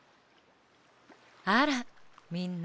あらみんな。